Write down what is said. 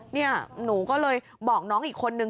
นี่หนูก็เลยบอกน้องอีกคนนึง